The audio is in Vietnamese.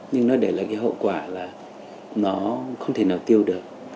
nhưng nó để lại cái hậu quả là nó không thể nào tiêu được